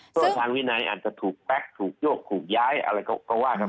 ก็ทางวินัยอาจจะถูกแป๊กถูกโยกถูกย้ายอะไรก็ว่ากัน